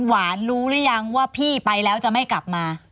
หวานรู้หรือยังว่าพี่ไปแล้วจะไม่กลับมา